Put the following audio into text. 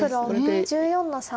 黒１４の三。